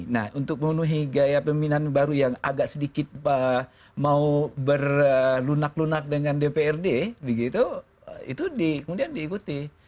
nah untuk memenuhi gaya pemimpinan baru yang agak sedikit mau berlunak lunak dengan dprd begitu itu kemudian diikuti